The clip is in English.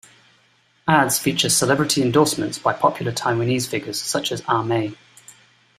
Ads feature celebrity endorsements by popular Taiwanese figures such as A-Mei.